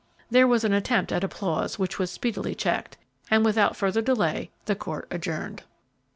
There was an attempt at applause, which was speedily checked, and without further delay the court adjourned.